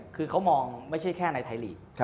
คือเขามองไม่ใช่แค่ในไทยลีก